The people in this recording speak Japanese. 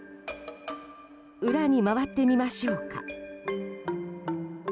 裏に回ってみましょうか。